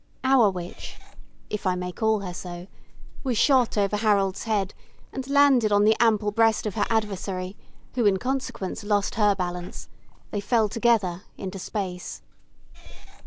Our witch if I may call her so was shot over Harold's head, and landed on the ample breast of her adversary, who, in consequence, lost her balance. They fell together into space.